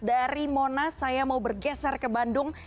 dari monas saya mau bergeser ke bandung